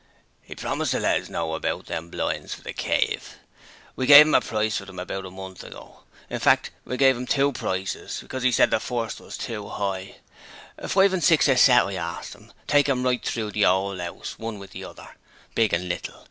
'He promised to let us know about them blinds for "The Cave". We gave 'im a price for 'em about a month ago. In fact, we gave 'im two prices, because he said the first was too high. Five and six a set I asked 'im! take 'em right through the 'ole 'ouse! one with another big and little.